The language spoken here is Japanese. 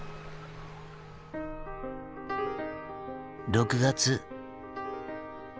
６月。